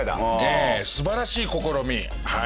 素晴らしい試みはい。